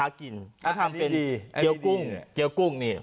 อันนี้ดี